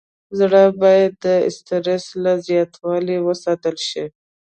زړه باید د استرس له زیاتوالي وساتل شي.